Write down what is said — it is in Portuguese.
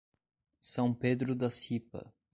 São Pedro da Cipa